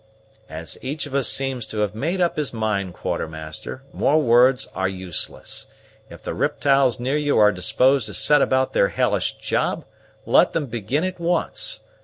"As each of us seems to have made up his mind, Quartermaster, more words are useless. If the riptyles near you are disposed to set about their hellish job, let them begin at once.